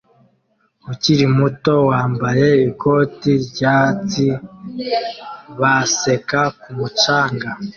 ukiri muto wambaye ikoti ryatsi baseka ku mucanga